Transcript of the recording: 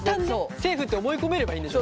セーフって思い込めればいいんでしょ？